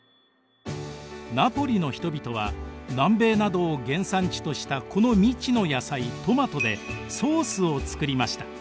ナポリの人々は南米などを原産地としたこの未知の野菜トマトでソースを作りました。